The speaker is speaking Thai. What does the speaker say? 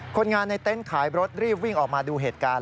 คนงานในเต็นต์ขายรถรีบวิ่งออกมาดูเหตุการณ์